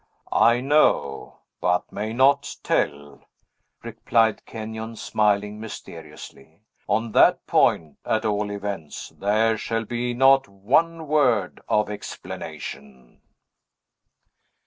"I know, but may not tell," replied Kenyon, smiling mysteriously. "On that point, at all events, there shall be not one word of explanation."